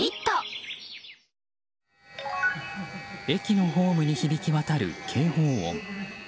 駅のホームに響き渡る警報音。